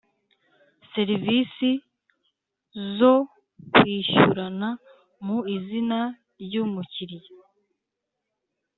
Serivisi zo kwishyurana mu izina ry umukiriya